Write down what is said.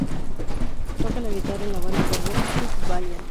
Toca la guitarra en la banda de rock "Chuck Valiant".